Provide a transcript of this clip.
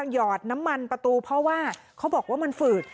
หอดน้ำมันประตูเพราะว่าเขาบอกว่ามันฝืด